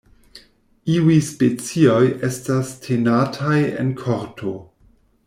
Iuj specioj estas tenataj en korto.